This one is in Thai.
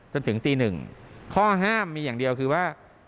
จนถึงตีหนึ่งข้อห้ามมีอย่างเดียวคือว่า